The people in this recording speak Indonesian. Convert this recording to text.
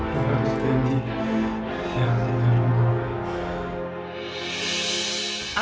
jangan tinggalin gua ya